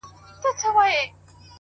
• ته چیري تللی یې اشنا او زندګي چیري ده؛